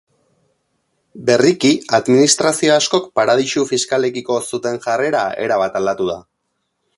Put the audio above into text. Berriki, administrazio askok paradisu fiskalekiko zuten jarrera erabat aldatu da.